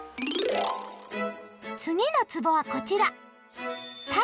次のつぼはこちら。